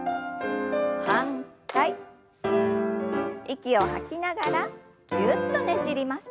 息を吐きながらぎゅっとねじります。